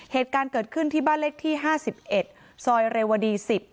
เหตุการณ์เกิดขึ้นที่บ้านเลขที่ห้าสิบเอ็ดซอยเรวดีสิบ